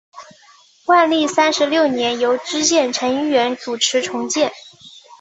万历三十六年由知县陈一元主持重建。